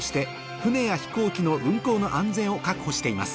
船や飛行機の運航の安全を確保しています